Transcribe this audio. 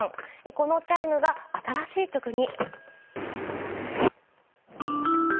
このチャイムが新しい曲に。